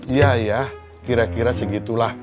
iya ya kira kira segitulah